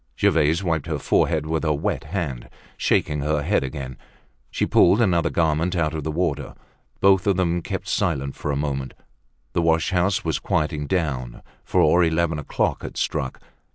Gervaise wiped her forehead with her wet hand. Shaking her head again, she pulled another garment out of the water. Both of them kept silence for a moment. The wash house was quieting down, for eleven o'clock had struck.